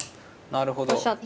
なるほど。